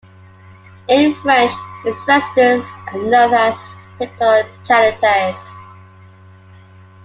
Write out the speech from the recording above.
In French its residents are known as "Picto-Charentais".